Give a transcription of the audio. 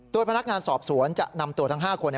โดยพนักงานสอบสวนจะนำตัวทั้ง๕คน